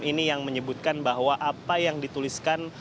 ini yang menyebutkan bahwa apa yang dituliskan